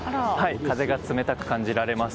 風が冷たく感じられます。